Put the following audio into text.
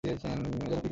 যেন কিশোর কন্দর্প!